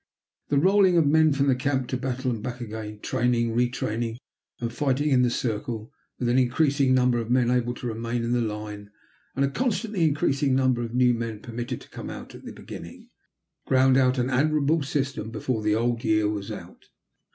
The rolling of men from camp to battle and back again, training, retraining, and fighting in the circle, with an increasing number of men able to remain in the line, and a constantly increasing number of new men permitted to come in at the beginning, ground out an admirable system before the old year was out.